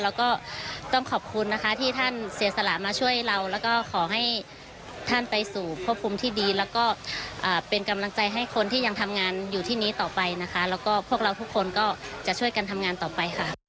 แล้วก็ต้องขอบคุณนะคะที่ท่านเสียสละมาช่วยเราแล้วก็ขอให้ท่านไปสู่พบภูมิที่ดีแล้วก็เป็นกำลังใจให้คนที่ยังทำงานอยู่ที่นี้ต่อไปนะคะแล้วก็พวกเราทุกคนก็จะช่วยกันทำงานต่อไปค่ะ